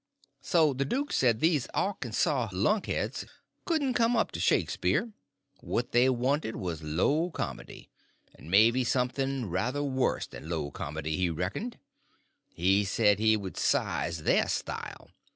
So the duke said these Arkansaw lunkheads couldn't come up to Shakespeare; what they wanted was low comedy—and maybe something ruther worse than low comedy, he reckoned. He said he could size their style.